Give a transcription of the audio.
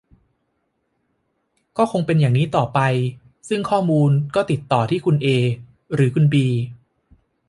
ก็คงเป็นอย่างนี้ต่อไป ซึ่งข้อมูลก็ติดต่อที่คุณเอ หรือคุณบี